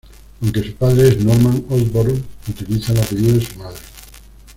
Aunque su padre es "Norman Osborn", utiliza el apellido de su madre.